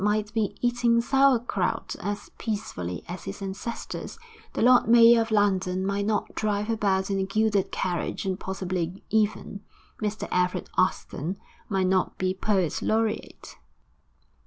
might be eating sauerkraut as peacefully as his ancestors, the Lord Mayor of London might not drive about in a gilded carriage, and possibly even Mr Alfred Austin might not be Poet Laureate....